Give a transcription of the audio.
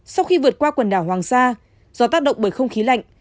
sau khi vượt qua quần đảo hoàng sa do tác động bởi không khí lạnh